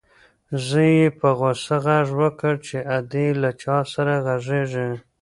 زوی یې په غوسه غږ وکړ چې ادې له چا سره غږېږې؟